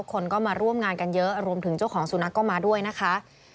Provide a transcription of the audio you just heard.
คนก็มาร่วมงานกันเยอะรวมถึงเจ้าของสุนัขก็มาด้วยนะคะ